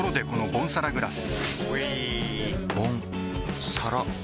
ボンサラグラス！